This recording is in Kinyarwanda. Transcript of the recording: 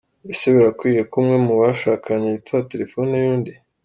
Ese birakwiye ko umwe mu bashakanye yitaba telefoni y’undi